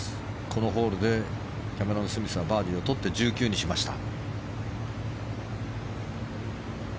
このホールでキャメロン・スミスはバーディーを取って１９にしました。